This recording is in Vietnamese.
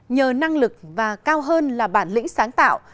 nhờ năng lực và cao hơn là bản lĩnh sáng tạo